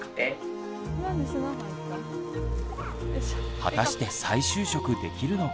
果たして再就職できるのか。